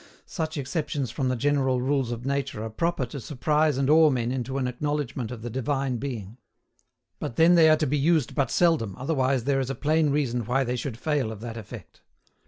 Such exceptions from the general rules of nature are proper to surprise and awe men into an acknowledgement of the Divine Being; but then they are to be used but seldom, otherwise there is a plain reason why they should fail of that effect.